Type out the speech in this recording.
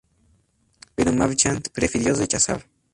Pero Marchand prefirió rechazar.